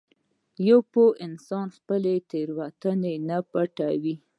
پوه انسان خپله تېروتنه نه پټوي.